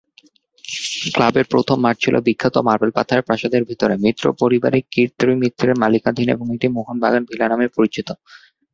ক্লাবের প্রথম মাঠ ছিল বিখ্যাত মার্বেল পাথরের প্রাসাদের ভিতরে, মিত্র পরিবারের কীর্তি মিত্রের মালিকানাধীন এবং এটি মোহনবাগান ভিলা নামে পরিচিত।